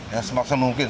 ya semaksimal mungkin